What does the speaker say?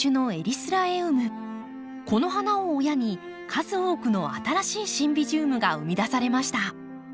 この花を親に数多くの新しいシンビジウムが生み出されました。